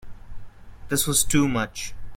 This was too much.